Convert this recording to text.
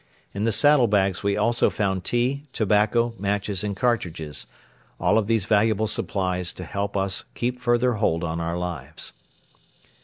In the saddle bags we also found tea, tobacco, matches and cartridges all of these valuable supplies to help us keep further hold on our lives.